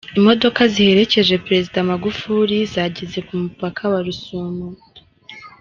Imodoka ziherekeje Perezida Magufuli zageze ku mupaka wa Rusumo.